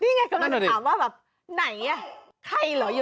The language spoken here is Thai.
นี่ไงกำลังจะถามว่าแบบไหนอ่ะใครเหรออยู่